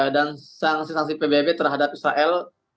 dan sanksi sanksi pbb terhadap israel